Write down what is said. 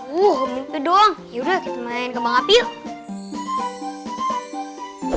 wah mimpi doang yaudah kita main kebang api yuk